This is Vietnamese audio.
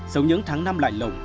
sống những tháng năm lạnh lộn